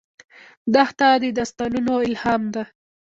دښته د داستانونو الهام ده.